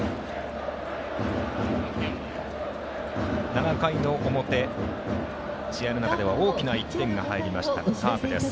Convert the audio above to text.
７ 回の表、試合の中では大きな１点が入りましたカープです。